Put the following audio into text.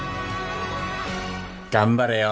頑張れよ！